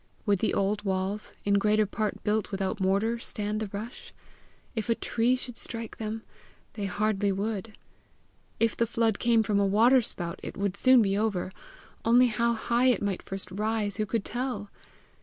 Would the old walls, in greater part built without mortar, stand the rush? If a tree should strike them, they hardly would! If the flood came from a waterspout, it would soon be over only how high it might first rise, who could tell!